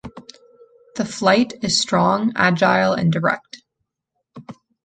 The flight is strong, agile and direct.